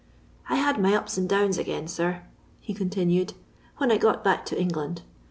I had my ups and downs again, sir," he con tinued, " when I got back to England.